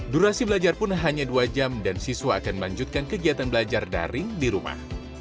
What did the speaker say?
durasi belajar pun hanya dua jam dan siswa akan melanjutkan kegiatan belajar daring di rumah